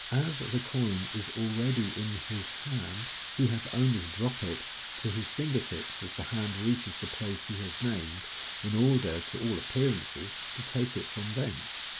As the coin is already in his hand, he has only to drop it to his finger tips as the hand reaches the place he has named, in order, to all appearance, to take it from thence.